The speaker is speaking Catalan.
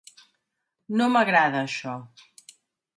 No m'agrada això.